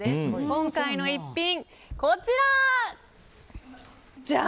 今回の逸品、こちら。